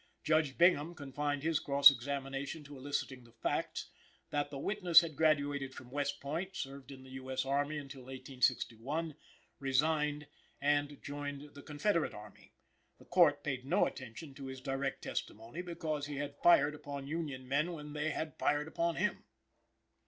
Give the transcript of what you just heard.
Judge Bingham confined his cross examination to eliciting the facts, that the witness had graduated from West Point, served in the U. S. Army until 1861, resigned, and joined the Confederate Army. The Court paid no attention to his direct testimony because he had fired upon Union men when they had fired upon him.